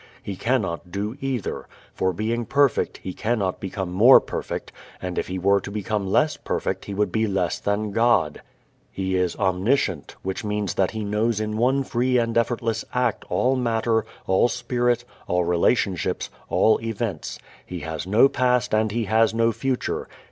He cannot do either, for being perfect He cannot become more perfect, and if He were to become less perfect He would be less than God. He is omniscient, which means that He knows in one free and effortless act all matter, all spirit, all relationships, all events. He has no past and He has no future.